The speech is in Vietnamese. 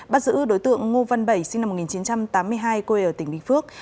bắt giữ đối tượng ngô văn bảy sinh năm một nghìn chín trăm tám mươi hai quê ở tỉnh bình phước